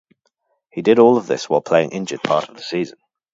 He did all of this while playing injured part of the season.